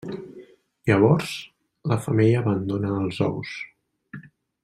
Llavors, la femella abandona els ous.